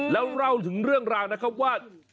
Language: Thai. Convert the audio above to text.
แล้วเล่าถึงเรื่องราวนะครับว่า